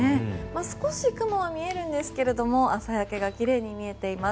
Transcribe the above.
少し雲は見えるんですけど朝焼けがきれいに見えています。